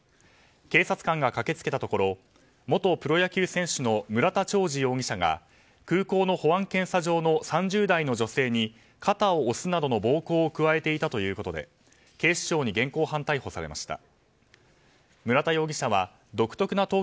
警察官が駆け付けたところ元プロ野球選手の村田兆治容疑者が空港の保安検査場の３０代の女性に肩を押すなどの暴行を加えていたということで警視庁に現行犯逮捕されました。